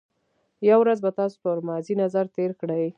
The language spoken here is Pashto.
یو ورځ به تاسو پر ماضي نظر تېر کړئ.